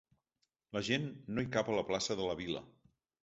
La gent no hi cap a plaça de la vila.